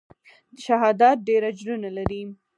شهادت ډېر اجرونه لري.